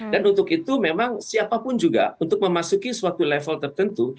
dan untuk itu memang siapapun juga untuk memasuki suatu level tertentu